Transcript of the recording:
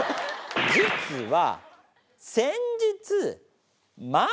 実は。